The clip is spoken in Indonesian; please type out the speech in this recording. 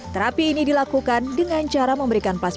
terapi ini dilakukan dengan cara memberikan fasilitas